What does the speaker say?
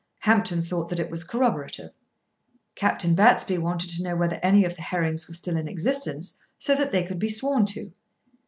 Hampton thought that it was corroborative. Captain Battersby wanted to know whether any of the herrings were still in existence, so that they could be sworn to.